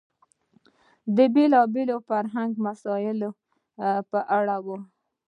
د بېلابېلو فرهنګي مسئلو په اړه و.